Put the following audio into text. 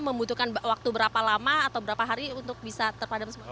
membutuhkan waktu berapa lama atau berapa hari untuk bisa terpadam semua